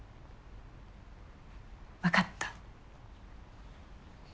分かった。